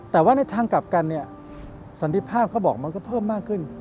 แต่ว่าในทางกลับกันเนี่ยสันติภาพเขาบอกมันก็เพิ่มมากขึ้น